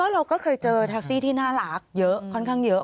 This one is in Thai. เราก็เคยเจอแท็กซี่ที่น่ารักเยอะค่อนข้างเยอะ